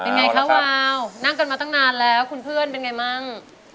ไงคะวาวนั่งกันมาตั้งนานแล้วคุณเพื่อนเป็นไงมั่ง